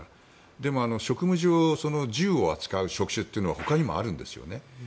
でも職務上、銃を扱う職種はほかにもあるんですよね。